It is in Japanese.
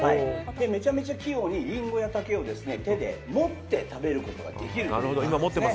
めちゃめちゃ器用にリンゴや竹を手で持って食べることができるという。